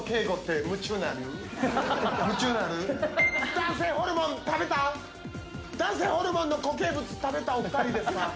男性ホルモンの固形物食べたお二人ですか？